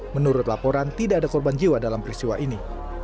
menurut laporan tidak ada korban jiwa dalam peristiwa ini